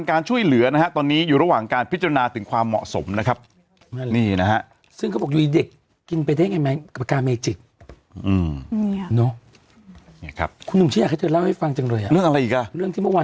เขาบอกว่าวันนี้หลายคนจับตามองแต่คุณจะต้องเล่าเรื่องลิซ่า